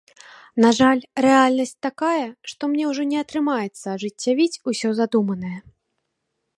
На жаль, рэальнасць такая, што мне ўжо не атрымаецца ажыццявіць усе задуманае.